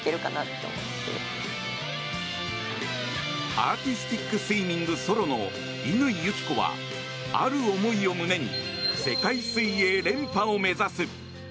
アーティスティックスイミング・ソロの乾友紀子はある思いを胸に世界水泳連覇を目指す。